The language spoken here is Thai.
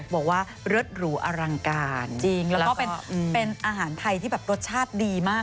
บอกว่ารสหรูอลังการจริงแล้วก็เป็นอาหารไทยที่แบบรสชาติดีมาก